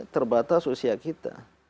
terbatas usia kita